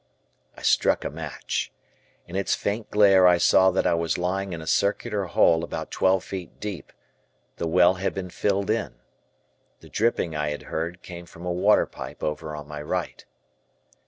I struck a match. In its faint glare I saw that I was lying in a circular hole about twelve feet deep, the well had been filled in! The dripping I had heard came from a water pipe over on my right.